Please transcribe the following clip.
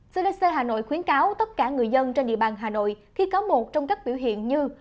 cdc hà nội khuyến cáo tất cả người dân trên địa bàn hà nội khi có một trong các biểu hiện như